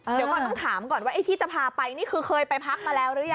เดี๋ยวก่อนต้องถามก่อนว่าไอ้ที่จะพาไปนี่คือเคยไปพักมาแล้วหรือยัง